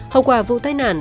hậu quả vụ tai nạn